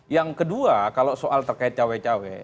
yang kedua kalau soal terkait cawe cawe